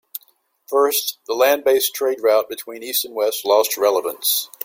First, the land based trade route between east and west lost relevance.